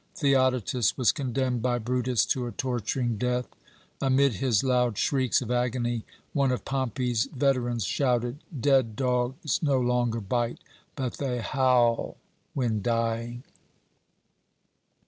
Theodotus was condemned by Brutus to a torturing death. Amid his loud shrieks of agony one of Pompey's veterans shouted, 'Dead dogs no longer bite, but they howl when dying!'